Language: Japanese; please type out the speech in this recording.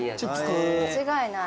間違いない。